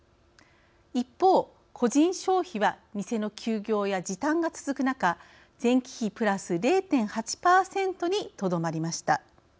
一方個人消費は店の休業や時短が続く中前期比プラス０．８％にとどまりました。